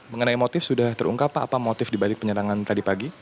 mengenai motif sudah terungkap pak apa motif dibalik penyerangan tadi pagi